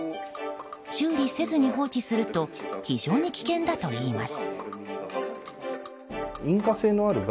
修理せずに放置すると非常に危険だといいます。